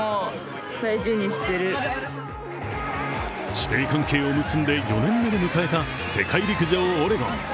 師弟関係を結んで４年目で迎えた世界陸上オレゴン。